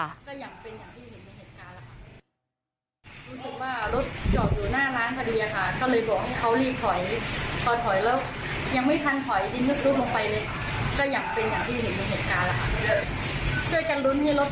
รู้สึกว่ารถจอดอยู่หน้าร้านพอดีอ่ะค่ะก็เลยบอกให้เขารีบถอยต่อถอยแล้วยังไม่ทันถอยดินลูกลูกลงไปเลยก็อยากเป็นอย่างที่เห็นเป็นเหตุการณ์แล้วค่ะ